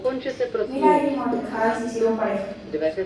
Mira y Mordechai se hicieron pareja.